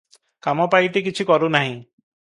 କାମ ପାଇଟି କିଛି କରୁ ନାହିଁ?